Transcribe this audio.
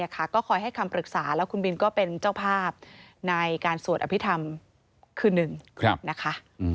ก็คอยให้คำปรึกษาแล้วคุณบินก็เป็นเจ้าภาพในการสวดอภิษฐรรมคืนหนึ่งนะคะ